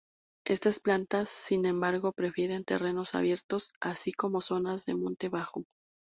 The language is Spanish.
Estas plantas, sin embargo, prefieren terrenos abiertos así como zonas de monte bajo.